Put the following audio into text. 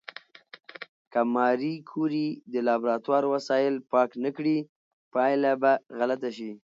که ماري کوري د لابراتوار وسایل پاک نه کړي، پایله به غلطه شي.